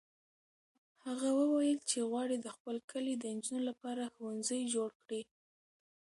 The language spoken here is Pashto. هغه وویل چې غواړي د خپل کلي د نجونو لپاره ښوونځی جوړ کړي.